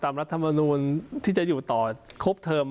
ตามรัฐมนูจน์ที่จะอยู่ต่อครบเทม